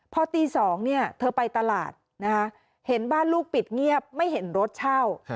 พอตี๒เธอไปตลาดนะคะเห็นบ้านลูกปิดเงียบไม่เห็นรถเช่า